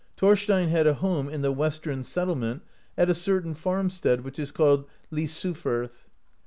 Thorstein had a home in the Western settle ment at a certain farmstead, which is called Lysufirth.